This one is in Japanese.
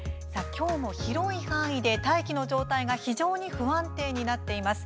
きょうも広い範囲で大気の状態が非常に不安定になっています。